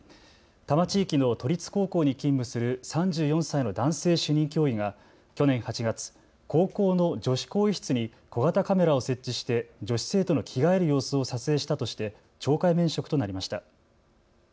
多摩地域の都立高校に勤務する３４歳の男性主任教諭が去年８月高校の女子更衣室に小型カメラを設置して女子生徒の着替える様子を撮影したとして懲戒免職となりました。